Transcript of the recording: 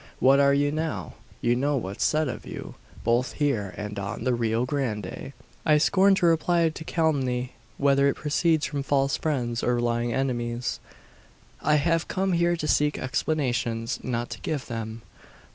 What are you now? You know what's said of you, both here and on the Rio Grande!" "I scorn to reply to calumny whether it proceeds from false friends or lying enemies. I have come here to seek explanations, not to give them."